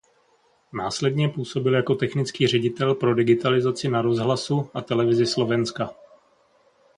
Následně působil jako technický ředitel pro digitalizaci na rozhlasu a televizi Slovenska.